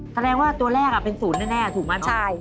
แสดงว่าตัวแรกเป็น๐แน่ถูกมั้ยครับ